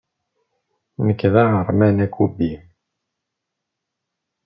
Nekk d aɣerman akubi.